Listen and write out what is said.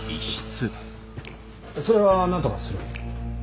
それはなんとかする。